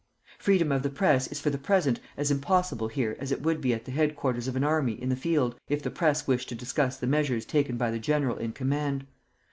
Freedom of the Press is for the present as impossible here as it would be at the headquarters of an army in the field if the Press wished to discuss the measures taken by the general in command.